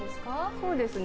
そうですね